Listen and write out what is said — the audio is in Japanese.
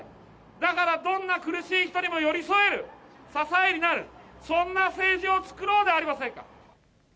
だから、どんな苦しい人にも寄り添える、支えになる、そんな政治を作ろうではありませんか。